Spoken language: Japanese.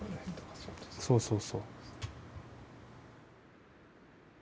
そうそうそう。